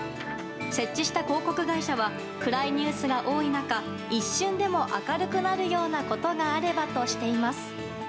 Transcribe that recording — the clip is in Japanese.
設置した広告会社は暗いニュースが多い中一瞬でも明るくなるようなことがあればとしています。